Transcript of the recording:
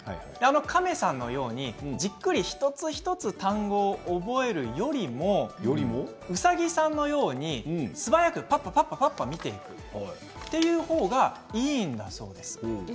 カメさんのように、じっくりと一つ一つ単語を覚えるよりもウサギさんのように素早くぱっぱと見ていくそのほうがいいんだそうです。